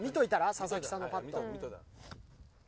佐々木さんのパット。